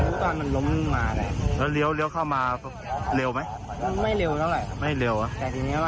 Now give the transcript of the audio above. เบื้องต้นนี้ออกจากรถไม่ได้ใช่มั้ย